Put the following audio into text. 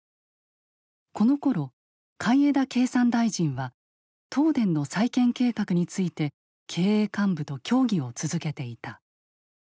このころ海江田経産大臣は東電の再建計画について経営幹部と協議を続けていた。